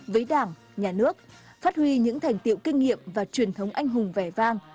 với đảng nhà nước phát huy những thành tiệu kinh nghiệm và truyền thống anh hùng vẻ vang